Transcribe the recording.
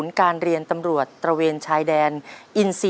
ในแคมเปญพิเศษเกมต่อชีวิตโรงเรียนของหนู